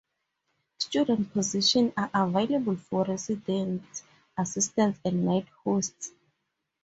Student positions are available for Resident Assistants and Night Hosts.